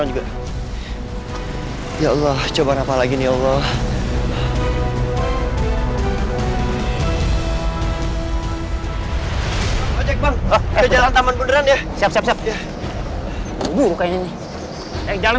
om nih cari kendaraan terakhir aja ya